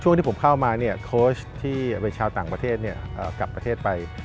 ที่ผมเข้ามาโค้ชที่เป็นชาวต่างประเทศกลับประเทศไป